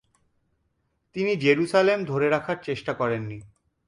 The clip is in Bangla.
তিনি জেরুসালেম ধরে রাখার চেষ্টা করেননি।